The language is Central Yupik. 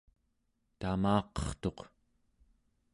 tamaqertuq